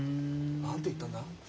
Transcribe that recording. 何て言ったんだ？